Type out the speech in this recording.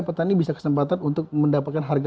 petani bisa kesempatan untuk mendapatkan harga